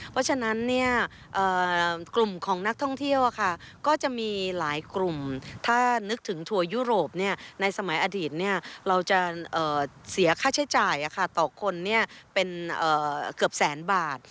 เพราะฉะนั้นกลุ่มของนักท่องเที่ยวก็จะมีหลายกลุ่มถ้านึกถึงทัวร์ยุโรปในสมัยอดีตเราจะเสียค่าใช้จ่ายต่อคนเป็นเกือบแสนบาท